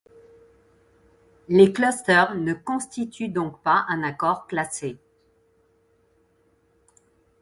Les clusters ne constituent donc pas un accord classé.